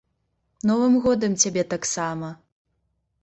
Новым годам цябе таксама!